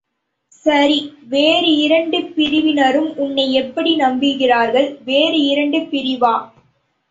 சரி, வேறு இரண்டு பிரிவினரும் உன்னை எப்படி நம்புகிறார்கள்? வேறு இரண்டு பிரிவா?